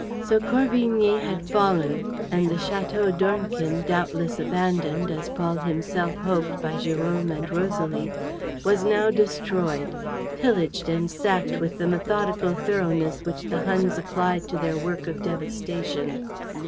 So Corvigny had fallen; and the Château d'Ornequin, doubtless abandoned, as Paul himself hoped, by Jérôme and Rosalie, was now destroyed, pillaged and sacked with the methodical thoroughness which the Huns applied to their work of devastation.